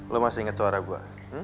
lo masih ingat suara gue